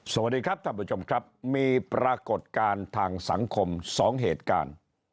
สวัสดีครับท่านผู้ชมครับมีปรากฏการณ์ทางสังคม๒เหตุการณ์